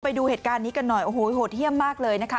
ไปดูเหตุการณ์นี้กันหน่อยโอ้โหโหดเยี่ยมมากเลยนะคะ